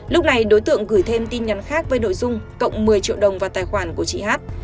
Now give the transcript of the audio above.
lúc này đối tượng gửi thêm tin nhắn khác với nội dung cộng một mươi triệu đồng vào tài khoản của chị hát